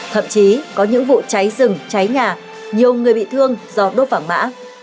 thậm chí có những vụ cháy rừng cháy nhà nhiều người bị thương do đốt vàng mã